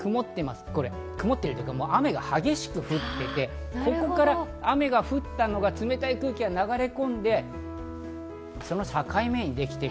曇っているというか、雨が激しく降っていて、ここから雨が降ったのが冷たい空気が流れ込んでその境目にできている。